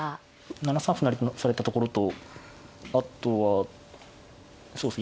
７三歩成とされたところとあとはそうですね